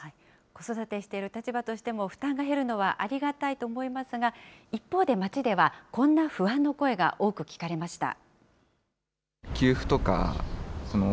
子育てしている立場としても、負担が減るのはありがたいと思いますが、一方で、街ではこんな不安の声が多く聞かれました。